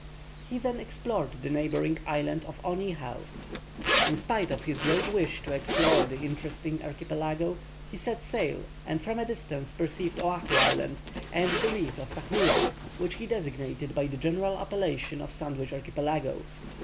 He then explored the neighbouring Island of Oneeheow. In spite of his great wish to explore this interesting archipelago, he set sail, and from a distance perceived Ouahou Island, and the reef of Tahoora which he designated by the general appellation of Sandwich Archipelago.